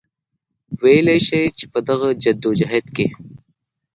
وئيلی شي چې پۀ دغه جدوجهد کې